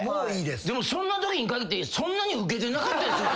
でもそんなときに限ってそんなにウケてなかったりする。